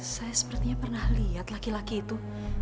saya sepertinya pernah lihat laki laki itu